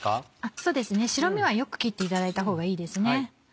そうですね白身はよく切っていただいたほうがいいですね。